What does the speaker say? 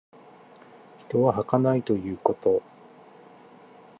人生は儚いということ。